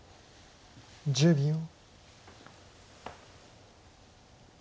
１０秒。